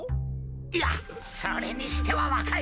いやそれにしては若い！